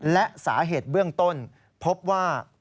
และสาเหตุเบื้องต้นพบว่า